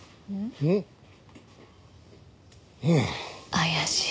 怪しい。